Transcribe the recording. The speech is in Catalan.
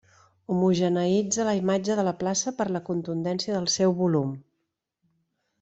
Homogeneïtza la imatge de la plaça per la contundència del seu volum.